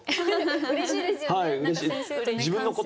うれしいですよね